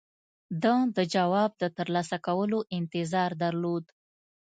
ده د جواب د ترلاسه کولو انتظار درلود.